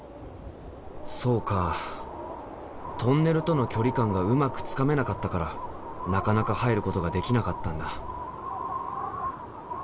そうかトンネルとの距離感がうまくつかめなかったからなかなか入ることができなかったんだ。